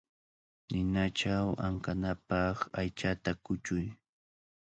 Ninachaw ankanapaq aychata kuchuy.